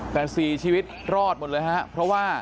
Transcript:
แต่๔ชีวิตรอดหมดเลยฮะเพราะว่า